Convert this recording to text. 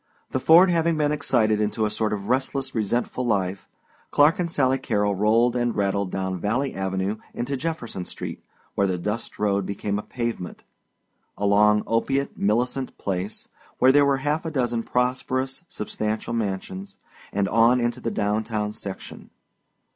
The Ford having been excited into a sort of restless resentful life Clark and Sally Carrol rolled and rattled down Valley Avenue into Jefferson Street, where the dust road became a pavement; along opiate Millicent Place, where there were half a dozen prosperous, substantial mansions; and on into the down town section.